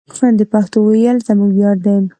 د پښتو ویل زموږ ویاړ دی.